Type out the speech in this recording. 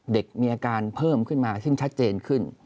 เด็กมีอาการเพิ่มขึ้นมาซึ่งชัดเจนขึ้น